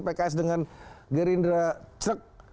pks dengan gerindra crek